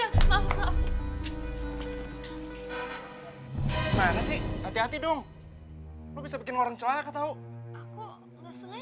atas semua kebaikan dan bantuanmu